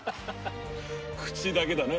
口だけだな。